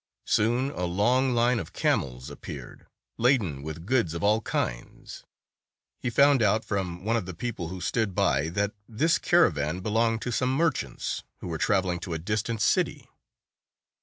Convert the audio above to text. Soon a long line of camels appeared, laden with goods of all kinds. He found out from one of the people who stood by, that this caravan belonged to some merchants, who were traveling to a distant city.